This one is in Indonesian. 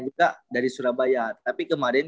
juga dari surabaya tapi kemarin